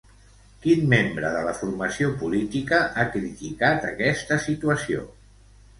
Quin membre de la formació política ha criticat aquesta situació?